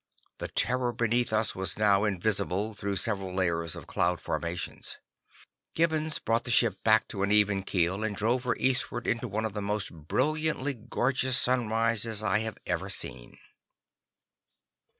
The terror beneath us was now invisible through several layers of cloud formations. Gibbons brought the ship back to an even keel, and drove her eastward into one of the most brilliantly gorgeous sunrises I have ever seen.